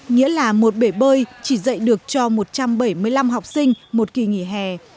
nghĩa là một bể bơi chỉ dạy được cho một trăm bảy mươi năm học sinh một kỳ nghỉ hè